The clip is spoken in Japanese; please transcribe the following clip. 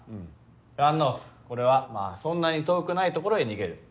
ｒｕｎｏｆｆこれはそんなに遠くない所へ逃げる。